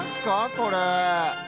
これ。